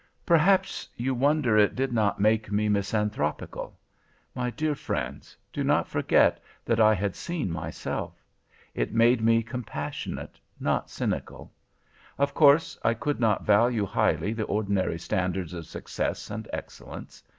"Perhaps you wonder it did not make me misanthropical. My dear friends, do not forget that I had seen myself. It made me compassionate, not cynical. Of course I could not value highly the ordinary standards of success and excellence.